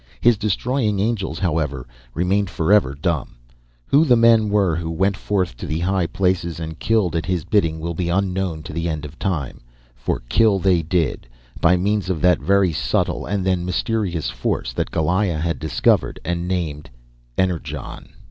His destroying angels, however, remained for ever dumb. Who the men were who went forth to the high places and killed at his bidding will be unknown to the end of time for kill they did, by means of that very subtle and then mysterious force that Goliah had discovered and named "Energon."